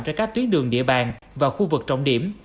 trên các tuyến đường địa bàn và khu vực trọng điểm